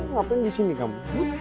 ngapain di sini kamu